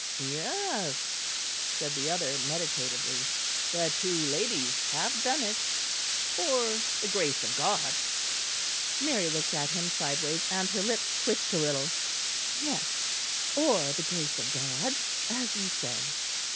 "Yes," said the other meditatively; "the two ladies have done it or, the grace of God." Mary looked at him sideways and her lips twitched a little. "Yes or the grace of God, as you say."